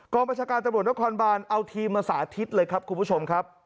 ประชาการตำรวจนครบานเอาทีมมาสาธิตเลยครับคุณผู้ชมครับ